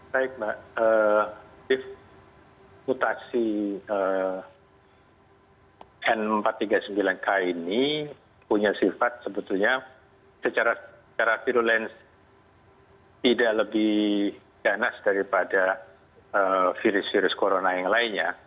baik mbak tiff mutasi n empat ratus tiga puluh sembilan k ini punya sifat sebetulnya secara virulensi tidak lebih ganas daripada virus virus corona yang lainnya